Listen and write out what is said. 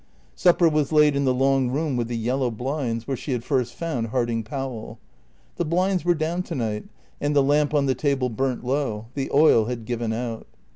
Supper was laid in the long room with the yellow blinds, where she had first found Harding Powell. The blinds were down to night, and the lamp on the table burnt low; the oil had given out.